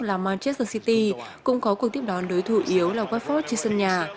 là manchester city cũng có cuộc tiếp đón đối thủ yếu là watford trên sân nhà